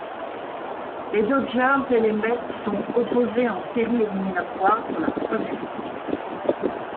Les Dodgers et les Mets sont opposés en séries éliminatoires pour la troisième fois.